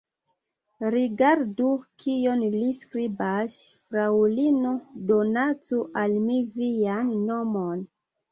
Rigardu, kion li skribas: Fraŭlino, donacu al mi vian monon!